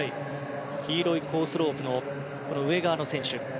黄色いコースロープの上側の選手。